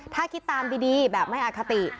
ถ้าคิดตามดีแบบไม่อคติ